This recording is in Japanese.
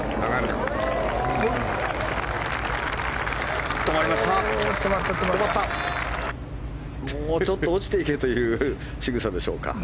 もうちょっと落ちていけというしぐさでしょうか。